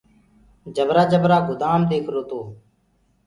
جبرآ جبرآ گُدآم ديکرو تو۔